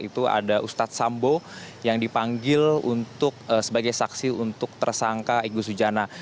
itu ada ustadz sambo yang dipanggil sebagai saksi untuk tersangka